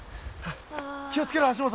気を付けろ足元。